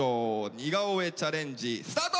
似顔絵チャレンジスタート！